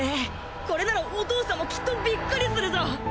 これならお父さんもきっとびっくりするぞ！